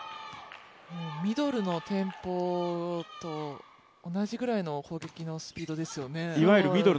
ミドルのテンポと同じくらいの攻撃のスピードですよね。